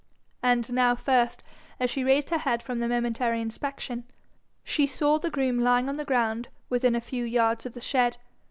And now first, as she raised her head from the momentary inspection, she saw the groom lying on the ground within a few yards of the shed.